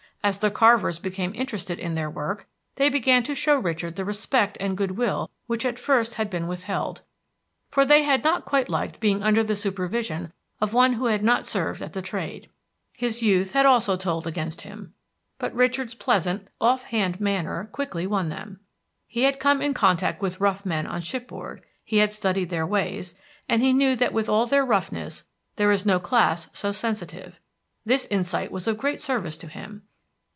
As the carvers became interested in their work, they began to show Richard the respect and good will which at first had been withheld, for they had not quite liked being under the supervision of one who had not served at the trade. His youth had also told against him; but Richard's pleasant, off hand manner quickly won them. He had come in contact with rough men on shipboard; he had studied their ways, and he knew that with all their roughness there is no class so sensitive. This insight was of great service to him.